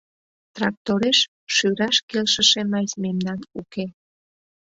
— Трактореш шӱраш келшыше мазь мемнан уке.